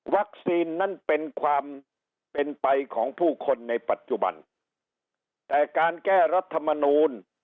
นั้นเป็นความเป็นไปของผู้คนในปัจจุบันแต่การแก้รัฐมนูล